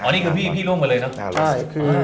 อ๋อนี่คือพี่ร่วมกันเลย